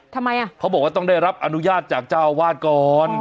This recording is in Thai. ทำไมอ่ะเขาบอกว่าต้องได้รับอนุญาตจากเจ้าวาดก่อน